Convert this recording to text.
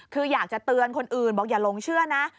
คืออยากจะเตือนคนอื่นบอกอย่าหลงเชื่อนะ